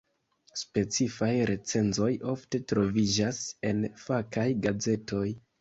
Specifaj recenzoj ofte troviĝas en fakaj gazetoj.